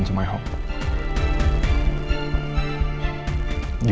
selamat datang ke ruang saya